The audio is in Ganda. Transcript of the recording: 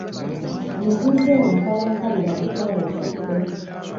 Mutuuze wa nkalakkalira ku kyalo kyaffe.